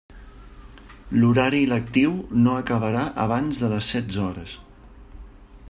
L'horari lectiu no acabarà abans de les setze hores.